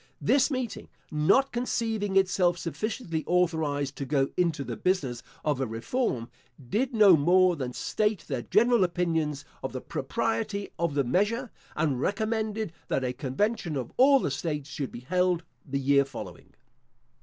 This meeting, not conceiving itself sufficiently authorised to go into the business of a reform, did no more than state their general opinions of the propriety of the measure, and recommend that a convention of all the states should be held the year following.